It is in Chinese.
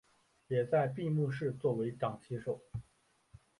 也在闭幕式作为掌旗手。